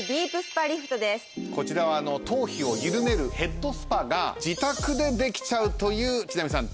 こちらは頭皮を緩めるヘッドスパが自宅でできちゃうという千波さん